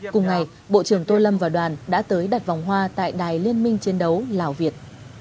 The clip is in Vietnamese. cùng ngày bộ trưởng tô lâm và đoàn đã tới đặt vòng hoa tại đài liên minh chiến đấu lào việt